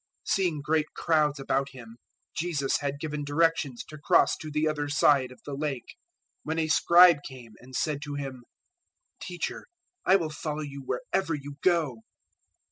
008:018 Seeing great crowds about Him Jesus had given directions to cross to the other side of the Lake, 008:019 when a Scribe came and said to Him, "Teacher, I will follow you wherever you go."